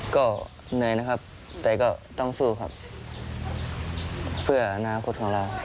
ก็เหนื่อยนะครับแต่ก็ต้องสู้ครับเพื่ออนาคตของเรา